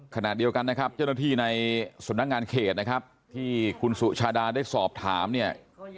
ขณะเดียวกันนะครับเจ้าหน้าที่ในสำนักงานเขตนะครับที่คุณสุชาดาได้สอบถามเนี่ย